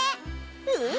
うん！